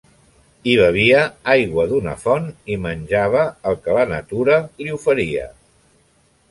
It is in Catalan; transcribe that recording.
Hi bevia aigua d'una font i menjava el que la natura li oferia.